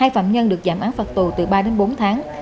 hai phạm nhân được giảm án phạt tù từ ba đến bốn tháng